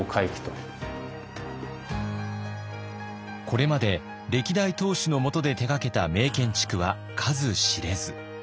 これまで歴代当主の下で手がけた名建築は数知れず。